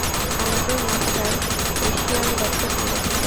আমাকেও মাস্টার ঊশিয়ান দত্তক নিয়েছিলেন।